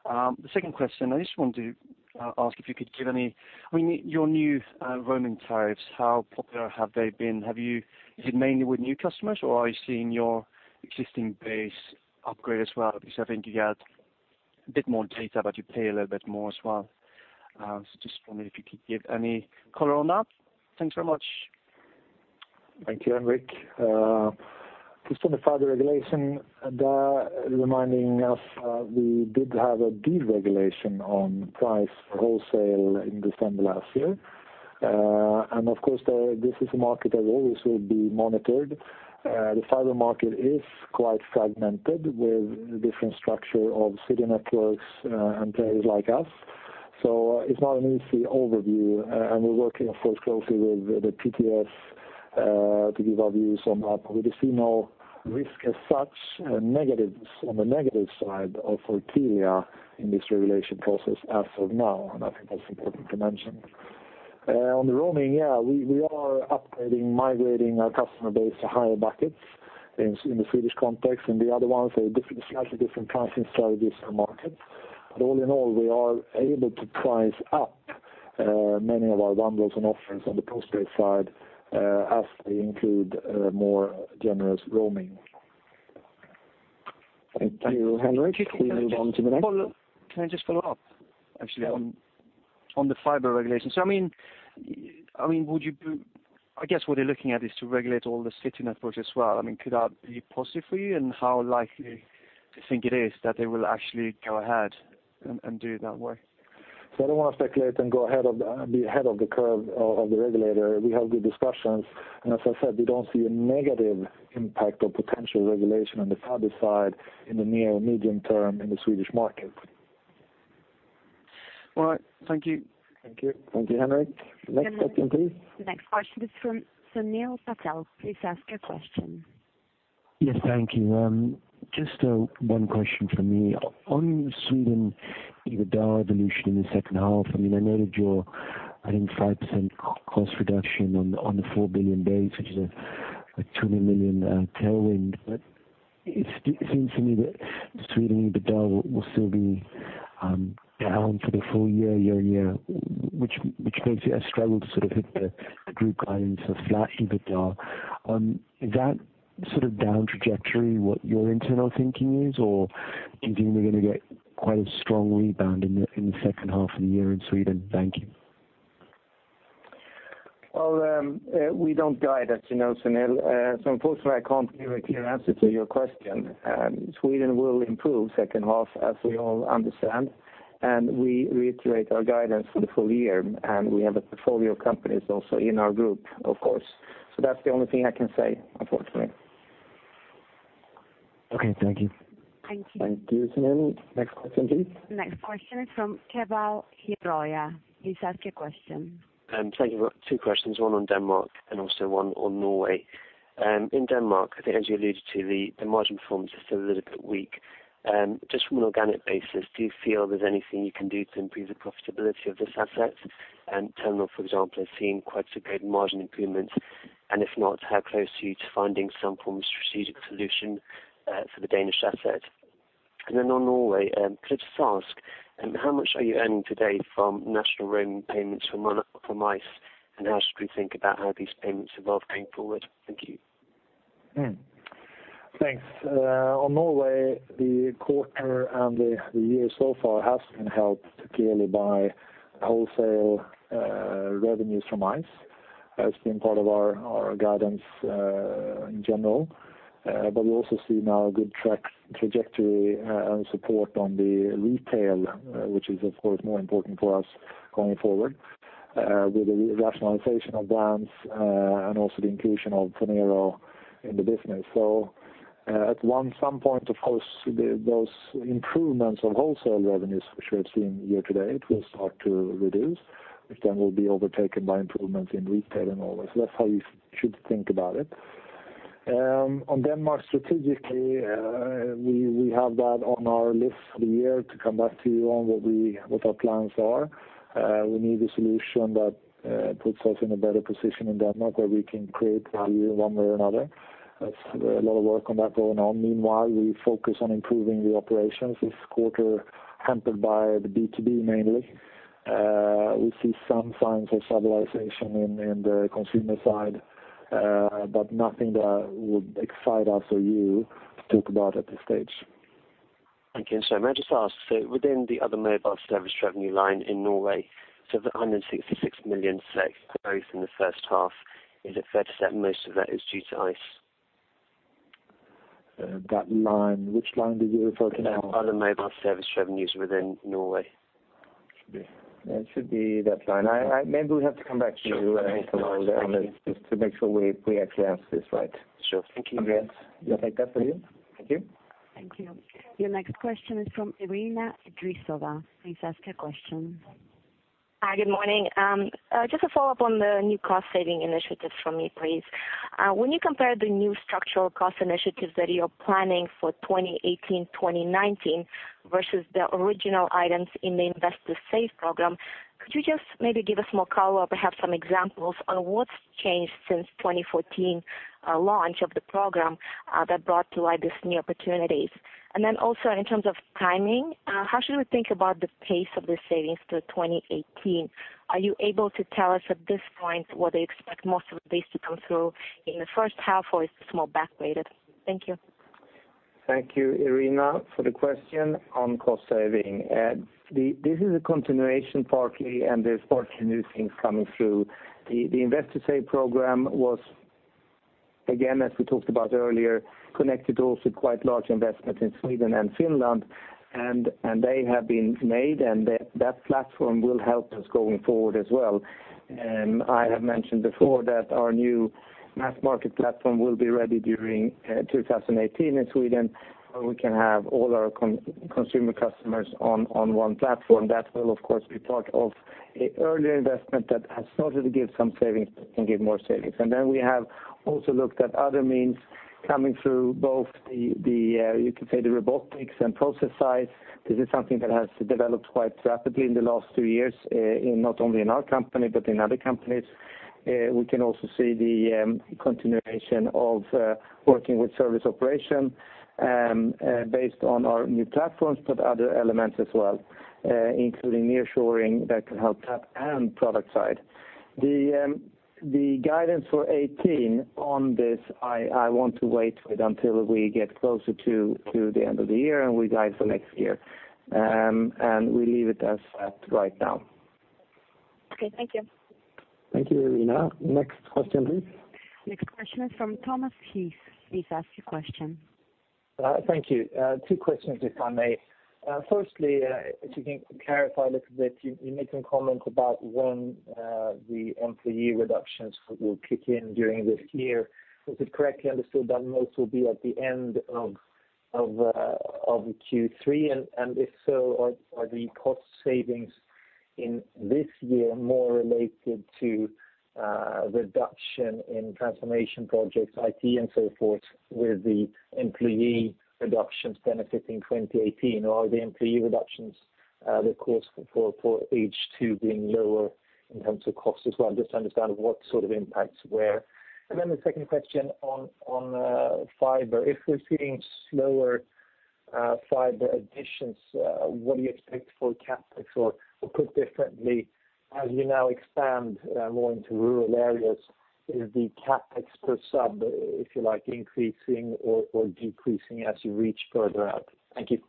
The second question, I just wanted to ask if you could give any, your new roaming tariffs, how popular have they been? Is it mainly with new customers, or are you seeing your existing base upgrade as well? Because I think you get a bit more data, but you pay a little bit more as well. Just wondering if you could give any color on that. Thanks very much.
Thank you, Henrik. To simplify the regulation, reminding us, we did have a deregulation on price wholesale in December last year. Of course, this is a market that always will be monitored. The fiber market is quite fragmented with different structure of city networks and players like us. It's not an easy overview, and we're working, of course, closely with the PTS to give our views on that. We see no risk as such on the negative side of our tier in this regulation process as of now, and I think that's important to mention. On the roaming, yeah, we are upgrading, migrating our customer base to higher buckets in the Swedish context. In the other ones, they have slightly different pricing strategies per market. All in all, we are able to price up many of our bundles and offerings on the post-paid side as they include more generous roaming.
Thank you, Henrik. We move on to the next.
Can I just follow up, actually, on the fiber regulation? I guess what they're looking at is to regulate all the city networks as well. Could that be positive for you, and how likely do you think it is that they will actually go ahead and do it that way?
I don't want to speculate and go ahead of the curve of the regulator. We have good discussions, and as I said, we don't see a negative impact of potential regulation on the fiber side in the near or medium term in the Swedish market.
All right. Thank you.
Thank you.
Thank you, Henrik. Next question, please.
The next question is from Sunil Patel. Please ask your question.
Yes, thank you. Just one question from me. On Sweden EBITDA evolution in the second half, I mean, I noted your, I think 5% cost reduction on the 4 billion base, which is a 200 million tailwind. It seems to me that the Sweden EBITDA will still be down for the full year-on-year, which makes it a struggle to sort of hit the group guidance of flat EBITDA. Is that sort of down trajectory what your internal thinking is, or do you think we're going to get quite a strong rebound in the second half of the year in Sweden? Thank you.
Well, we don't guide, as you know, Sunil. Unfortunately, I can't give a clear answer to your question. Sweden will improve second half, as we all understand. We reiterate our guidance for the full year. We have a portfolio of companies also in our group, of course. That's the only thing I can say, unfortunately.
Okay, thank you.
Thank you.
Thank you, Sunil. Next question please.
Next question from Keval Khiroya. Please ask your question.
Thank you. Two questions, one on Denmark and also one on Norway. In Denmark, I think as you alluded to, the margin performance is still a little bit weak. Just from an organic basis, do you feel there's anything you can do to improve the profitability of this asset? Telenor, for example, is seeing quite significant margin improvements, and if not, how close are you to finding some form of strategic solution for the Danish asset? On Norway, could I just ask, how much are you earning today from national roaming payments from Ice, and how should we think about how these payments evolve going forward? Thank you.
Thanks. On Norway, the quarter and the year so far has been helped clearly by wholesale revenues from Ice. That's been part of our guidance in general. We also see now a good trajectory and support on the retail, which is of course more important for us going forward, with the rationalization of Danske and also the inclusion of Phonero in the business. At some point, of course, those improvements of wholesale revenues, which we have seen year to date, will start to reduce, which then will be overtaken by improvements in retail in Norway. That's how you should think about it. On Denmark strategically, we have that on our list for the year to come back to you on what our plans are. We need a solution that puts us in a better position in Denmark where we can create value one way or another. There's a lot of work on that going on. Meanwhile, we focus on improving the operations this quarter, hampered by the B2B, mainly. We see some signs of stabilization in the consumer side, but nothing that would excite us or you to talk about at this stage.
Thank you. May I just ask, within the other mobile service revenue line in Norway, the 166 million growth in the first half, is it fair to say that most of that is due to Ice?
That line, which line did you refer to now?
Other mobile service revenues within Norway.
It should be that line. Maybe we have to come back to you on that.
Sure. Thank you.
Just to make sure we actually answer this right.
Sure. Thank you.
Andreas, you will take that for you?
Thank you.
Thank you. Your next question is from Irina Adrisova. Please ask your question.
Hi, good morning. Just a follow-up on the new cost-saving initiatives for me, please. When you compare the new structural cost initiatives that you're planning for 2018-2019 versus the original items in the Invest to Save program, could you just maybe give us more color or perhaps some examples on what's changed since 2014 launch of the program that brought to light these new opportunities? Also in terms of timing, how should we think about the pace of the savings to 2018? Are you able to tell us at this point whether you expect most of this to come through in the first half, or is this more back-weighted? Thank you.
Thank you, Irina, for the question on cost saving. This is a continuation partly, and there's partly new things coming through. The Invest to Save program was, again, as we talked about earlier, connected also quite large investment in Sweden and Finland, and they have been made, and that platform will help us going forward as well. I have mentioned before that our new mass market platform will be ready during 2018 in Sweden, where we can have all our consumer customers on one platform. That will, of course, be part of an earlier investment that has started to give some savings and give more savings. We have also looked at other means coming through both the, you could say, the robotics and process side. This is something that has developed quite rapidly in the last two years, not only in our company but in other companies. We can also see the continuation of working with service operation based on our new platforms, but other elements as well, including nearshoring that can help that and product side. The guidance for 2018 on this, I want to wait with until we get closer to the end of the year and we guide for next year, and we leave it as at right now.
Okay, thank you.
Thank you, Irina. Next question, please.
Next question is from Thomas Heath. Please ask your question.
Thank you. Two questions, if I may. Firstly, if you can clarify a little bit, you made some comments about when the employee reductions will kick in during this year. Is it correctly understood that most will be at the end of Q3? If so, are the cost savings in this year more related to reduction in transformation projects, IT and so forth, with the employee reductions benefiting 2018? Or are the employee reductions the cause for H2 being lower in terms of cost as well? Just to understand what sort of impacts where. Then the second question on fiber. If we're seeing slower fiber additions, what do you expect for CapEx? Or put differently, as you now expand more into rural areas, is the CapEx per sub, if you like, increasing or decreasing as you reach further out? Thank you.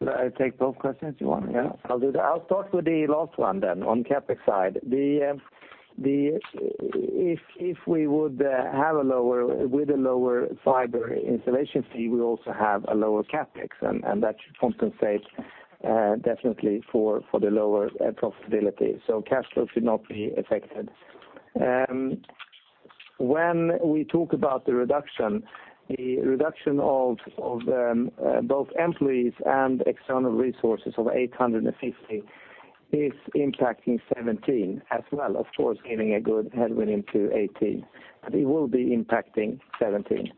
Should I take both questions if you want? Yeah, I'll do that. I'll start with the last one then, on CapEx side. If we would have a lower fiber installation fee, we'll also have a lower CapEx, and that should compensate definitely for the lower profitability. Cash flow should not be affected. When we talk about the reduction, the reduction of both employees and external resources of 850 is impacting 2017 as well, of course, giving a good headwind into 2018. It will be impacting 2017.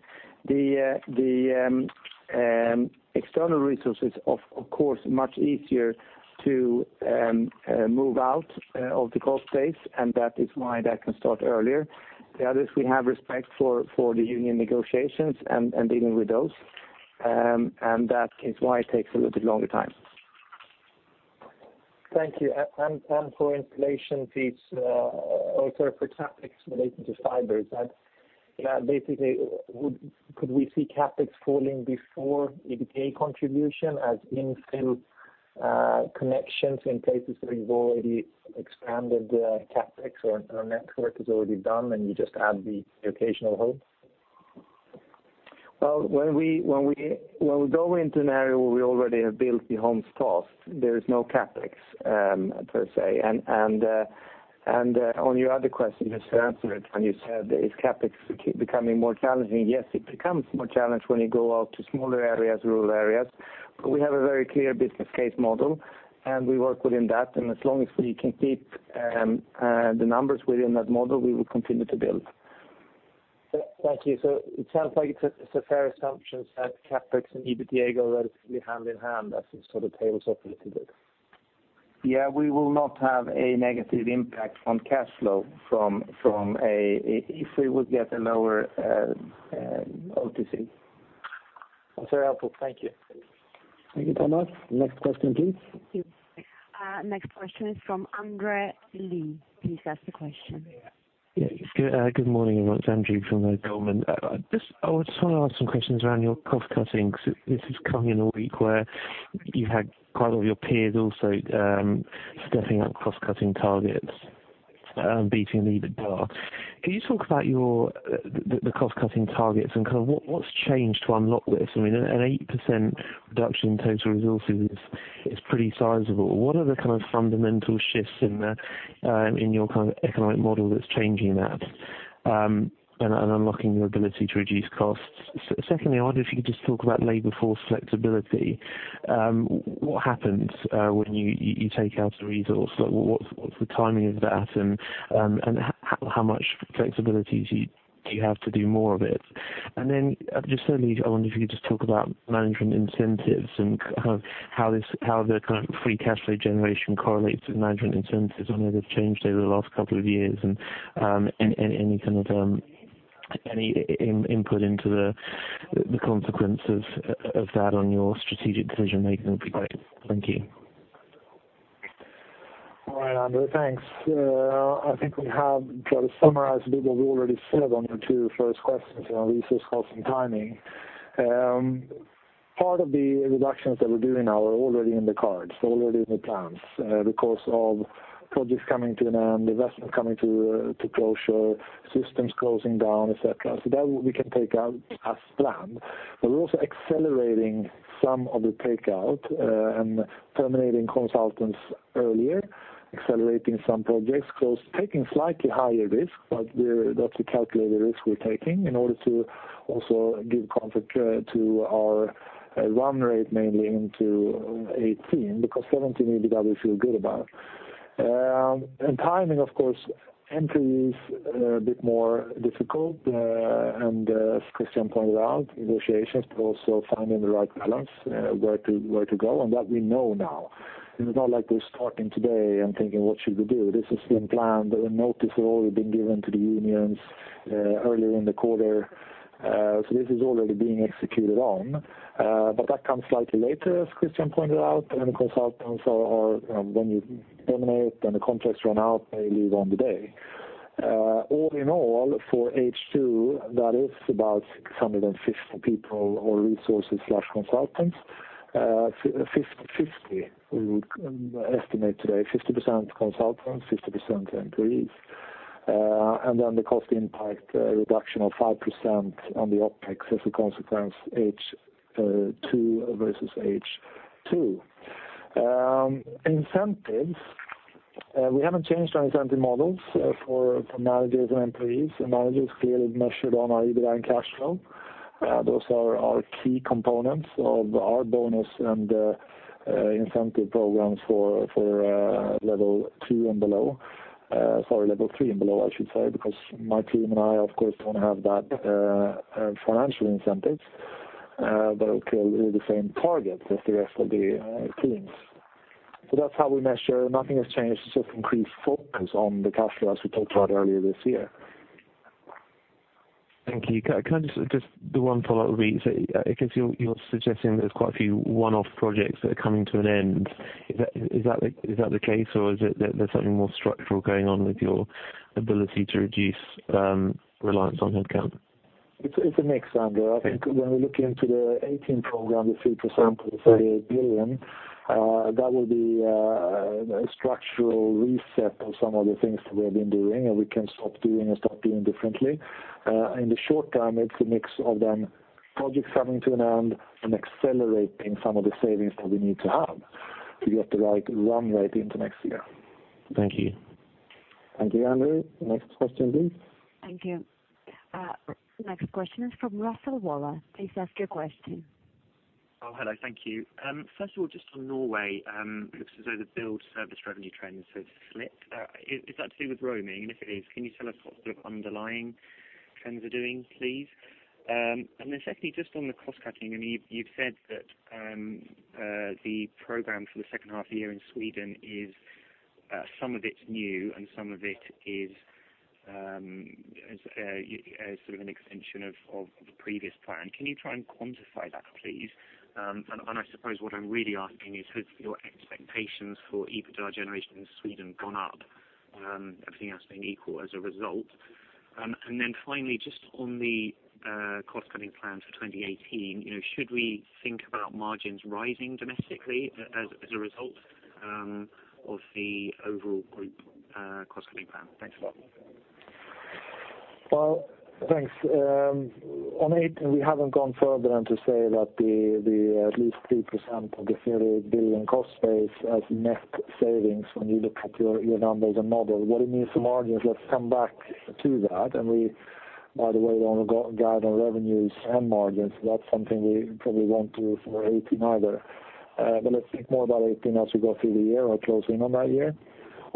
The external resources, of course, much easier to move out of the cost base, and that is why that can start earlier. The others, we have respect for the union negotiations and dealing with those, and that is why it takes a little bit longer time.
Thank you. For installation fees, also for CapEx relating to fibers, basically could we see CapEx falling before EBITDA contribution as infill connections in places where you've already expanded the CapEx or network is already done, and you just add the occasional home?
Well, when we go into an area where we already have built the homes cost, there is no CapEx per se. On your other question, just to answer it, when you said is CapEx becoming more challenging, yes, it becomes more challenged when you go out to smaller areas, rural areas. We have a very clear business case model, and we work within that. As long as we can keep the numbers within that model, we will continue to build.
Thank you. It sounds like it's a fair assumption that CapEx and EBITDA go relatively hand in hand as the sort of tables are pretty good.
Yeah, we will not have a negative impact on cash flow if we would get a lower OTC.
That's very helpful. Thank you.
Thank you, Thomas. Next question, please.
Next question is from Andrew Lee. Please ask the question.
Yeah. Good morning, everyone. It's Andrew from Goldman. I just want to ask some questions around your cost cutting, because this is coming in a week where you've had quite a lot of your peers also stepping up cost-cutting targets, beating the EBITDA. Can you talk about the cost-cutting targets and what's changed to unlock this? I mean, an 8% reduction in total resources is pretty sizable. What are the fundamental shifts in your economic model that's changing that and unlocking your ability to reduce costs? Secondly, I wonder if you could just talk about labor force flexibility. What happens when you take out a resource? What's the timing of that and how much flexibility do you have to do more of it? Certainly, I wonder if you could just talk about management incentives and how the free cash flow generation correlates with management incentives and whether they've changed over the last couple of years, and any input into the consequences of that on your strategic decision-making would be great. Thank you.
All right, Andrew. Thanks. I think we have got to summarize a bit what we already said on your two first questions around resource costs and timing. Part of the reductions that we're doing now are already in the cards, already in the plans, because of projects coming to an end, investment coming to closure, systems closing down, et cetera. That we can take out as planned. We're also accelerating some of the takeout and terminating consultants earlier, accelerating some projects, taking slightly higher risk. That's a calculated risk we're taking in order to also give comfort to our run rate mainly into 2018, because 2017, EBITDA we feel good about. Timing, of course, employees a bit more difficult, and as Christian pointed out, negotiations, but also finding the right balance, where to go, and that we know now. It's not like we're starting today and thinking, "What should we do?" This has been planned, and notice has already been given to the unions earlier in the quarter. This is already being executed on. That comes slightly later, as Christian pointed out, and consultants are when you terminate and the contracts run out, they leave on the day. All in all, for H2, that is about 650 people or resources/consultants. 50, we would estimate today, 50% consultants, 50% employees. The cost impact reduction of 5% on the OpEx as a consequence H2 versus H2. Incentives, we haven't changed our incentive models for managers and employees. The managers clearly measured on our EBITDA and cash flow. Those are our key components of our bonus and incentive programs for level 2 and below. Sorry, level 3 and below, I should say, because my team and I, of course, don't have that financial incentives. Clearly the same target as the rest of the teams. That's how we measure. Nothing has changed. It's just increased focus on the cash flow, as we talked about earlier this year.
Thank you. Can I just do one follow-up? You're suggesting there's quite a few one-off projects that are coming to an end. Is that the case, or is it that there's something more structural going on with your ability to reduce reliance on headcount?
It's a mix, Andrew. I think when we look into the 2018 program, the 3% of the 38 billion, that will be a structural reset of some of the things that we have been doing, and we can stop doing and start doing differently. In the short term, it's a mix of them, projects coming to an end and accelerating some of the savings that we need to have to get the right run rate into next year.
Thank you.
Thank you, Andrew. Next question, please.
Thank you. Next question is from Russell Waller. Please ask your question.
Oh, hello. Thank you. First of all, just on Norway, looks as though the billed service revenue trend has slipped. Is that to do with roaming? If it is, can you tell us what sort of underlying trends are doing, please? Secondly, just on the cost cutting, you've said that the program for the second half of the year in Sweden, some of it's new and some of it is as sort of an extension of the previous plan. Can you try and quantify that, please? I suppose what I'm really asking is, have your expectations for EBITDA generation in Sweden gone up, everything else being equal as a result? Finally, just on the cost cutting plan for 2018, should we think about margins rising domestically as a result of the overall group cost cutting plan? Thanks a lot.
Well, thanks. On it, we haven't gone further than to say that the at least 3% of the 38 billion cost base as net savings when you look at your numbers and model. What it means for margins, let's come back to that. We, by the way, don't guide on revenues and margins. That's something we probably won't do for 2018 either. Let's think more about 2018 as we go through the year or close in on that year.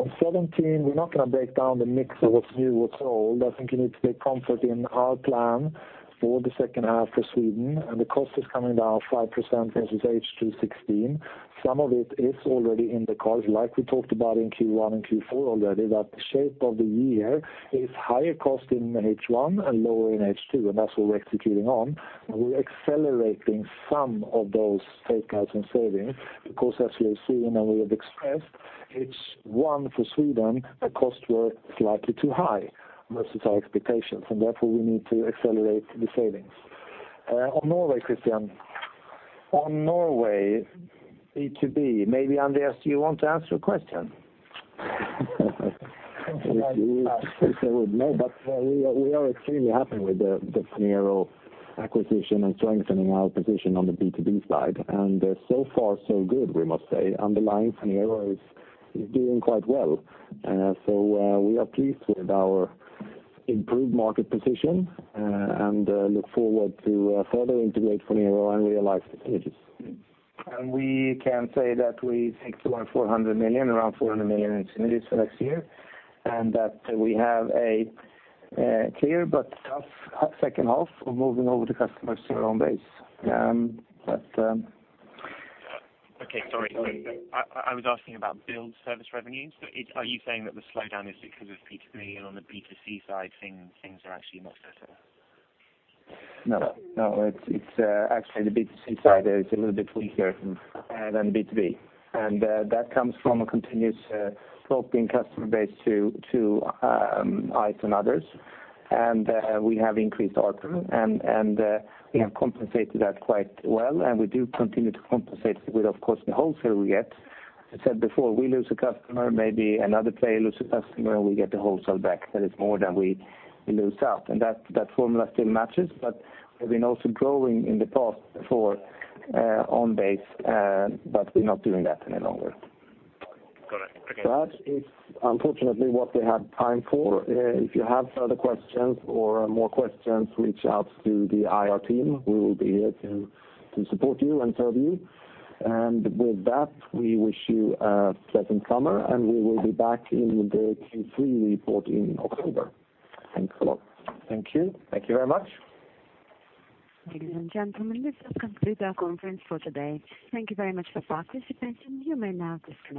On 2017, we're not going to break down the mix of what's new, what's old. I think you need to take comfort in our plan for the second half for Sweden, and the cost is coming down 5% versus H2 2016. Some of it is already in the cards, like we talked about in Q1 and Q4 already, that the shape of the year is higher cost in H1 and lower in H2, and that's what we're executing on. We're accelerating some of those takeouts and savings because as you see and we have expressed, it's one for Sweden, the costs were slightly too high versus our expectations, and therefore we need to accelerate the savings. On Norway, Christian.
On Norway, B2B, maybe Andreas, do you want to answer a question? We are extremely happy with the Phonero acquisition and strengthening our position on the B2B side. So far so good, we must say. Underlying Phonero is doing quite well. We are pleased with our improved market position, and look forward to further integrate Phonero and realize the synergies.
We can say that we think around 400 million in synergies for next year, that we have a clear but tough second half of moving over the customers to our own base.
Okay, sorry. I was asking about build service revenues. Are you saying that the slowdown is because of B2B and on the B2C side things are actually not so tough?
No, it's actually the B2C side is a little bit weaker than B2B. That comes from a continuous sloping customer base to Ice and others. We have increased ARPU, and we have compensated that quite well, and we do continue to compensate with, of course, the wholesale we get. As I said before, we lose a customer, maybe another player loses a customer, and we get the wholesale back. That is more than we lose out. That formula still matches, but we've been also growing in the past for own base, but we're not doing that any longer.
Got it. Thank you.
That is unfortunately what we have time for. If you have further questions or more questions, reach out to the IR team. We will be here to support you and serve you. With that, we wish you a pleasant summer, and we will be back in the Q3 report in October. Thanks a lot.
Thank you.
Thank you very much.
Ladies and gentlemen, this does conclude our conference for today. Thank you very much for participating. You may now disconnect.